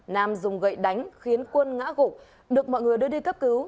nam dùng gậy đánh khiến quân ngã gục được mọi người đưa đi cấp cứu